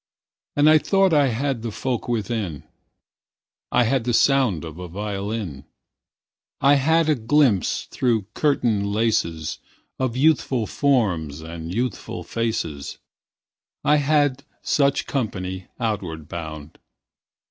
And I thought I had the folk within: I had the sound of a violin; I had a glimpse through curtain laces Of youthful forms and youthful faces. I had such company outward bound.